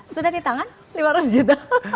sudah di tangan lima ratus juta